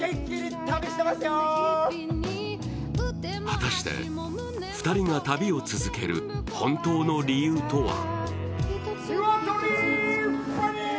果たして２人が旅を続ける本当の理由とは。